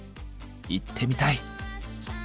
行ってみたい！